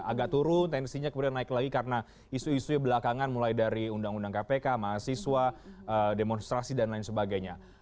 agak turun tensinya kemudian naik lagi karena isu isu belakangan mulai dari undang undang kpk mahasiswa demonstrasi dan lain sebagainya